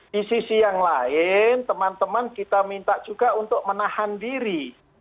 di sisi yang lain teman teman kita minta juga untuk menahan diri